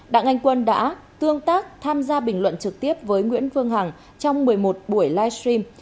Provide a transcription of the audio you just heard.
đặng anh quân đã tương tác tham gia bình luận trực tiếp với nguyễn phương hằng trong một mươi một buổi live stream